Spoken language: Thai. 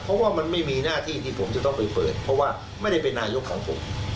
เพราะว่ามันไม่มีหน้าที่ที่ผมจะต้องไปเปิดเพราะว่าไม่ได้เป็นนายกสังคม